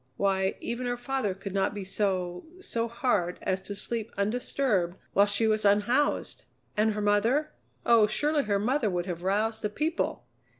Why, even her father could not be so so hard as to sleep undisturbed while she was unhoused! And her mother? Oh! surely her mother would have roused the people!